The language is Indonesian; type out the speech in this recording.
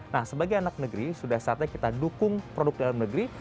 nah sebagai anak negeri sudah saatnya kita dukung produk dalam negeri